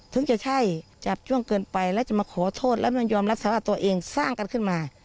ถึงจะใช่จับช่วงเกินไปแล้วจะมาขอโทษแล้วมันยอมรับสารภาพตัวเองสร้างกันขึ้นมา